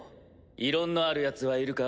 異論のあるヤツはいるか？